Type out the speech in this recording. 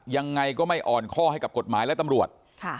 ยังไงก็ไม่อ่อนข้อให้กับกฎหมายและตำรวจ